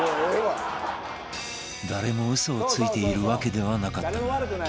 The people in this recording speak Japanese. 誰も嘘をついているわけではなかったが